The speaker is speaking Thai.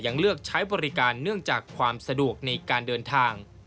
ยังเลือกใช้บริการเนื่องจากความสะดวกในการเดินทาง